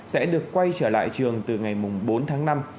sẽ được quay trở lại trường từ ngày bốn tháng năm